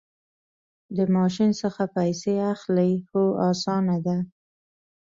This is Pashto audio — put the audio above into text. د ماشین څخه پیسې اخلئ؟ هو، اسانه ده